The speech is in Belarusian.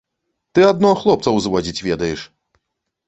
Ты адно хлопцаў зводзіць ведаеш!